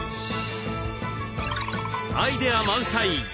アイデア満載！